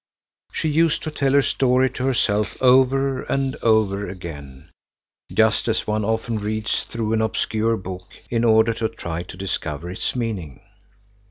She used to tell her story to herself over and over again, just as one often reads through an obscure book in order to try to discover its meaning.